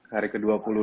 hari ke dua puluh dua